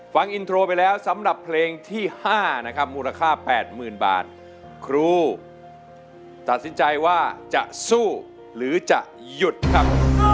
ฟังอินโทรไปแล้วสำหรับเพลงที่๕นะครับมูลค่า๘๐๐๐บาทครูตัดสินใจว่าจะสู้หรือจะหยุดครับ